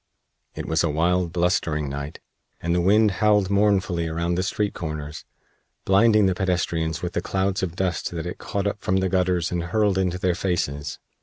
It was a wild, blustering night, and the wind howled mournfully around the street corners, blinding the pedestrians with the clouds of dust that it caught up from the gutters and hurled into their faces.